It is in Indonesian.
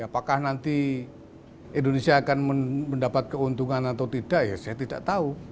jadi apakah nanti indonesia akan mendapat keuntungan atau tidak ya saya tidak tahu